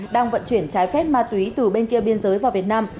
đang vận chuyển trái phép ma túy từ bên kia biên giới vào việt nam